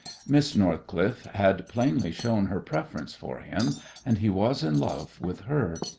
Miss Northcliffe had plainly shown her preference for him, and he was in love with her.